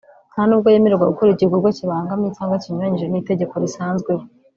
nta nubwo yemererwa gukora igikorwa kibangamye cyangwa kinyuranyije n’itegeko risanzweho